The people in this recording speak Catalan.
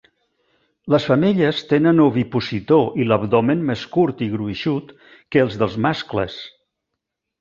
Les femelles tenen ovipositor i l'abdomen més curt i gruixut que el dels mascles.